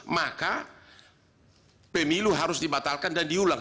maka pemilu harus dibatalkan dan diulang